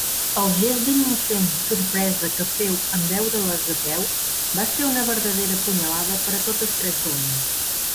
El gest d'innocent sorpresa que féu en veure-les a peu, va ser una verdadera punyalada per a totes tres dones.